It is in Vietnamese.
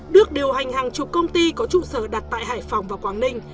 được điều hành hàng chục công ty có trụ sở đặt tại hải phòng và quảng ninh